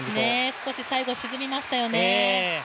少しサイド沈みましたよね。